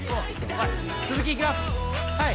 続きいきます。